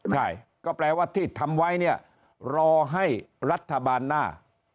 ใช่ก็แปลว่าที่ทำไว้เนี่ยรอให้รัฐบาลหน้า